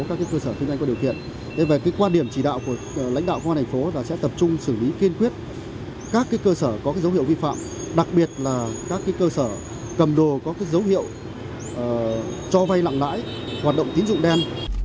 các cơ sở kinh doanh có điều kiện về quan điểm chỉ đạo của lãnh đạo công an thành phố là sẽ tập trung xử lý kiên quyết các cơ sở có dấu hiệu vi phạm đặc biệt là các cơ sở cầm đồ có dấu hiệu cho vay nặng lãi hoạt động tín dụng đen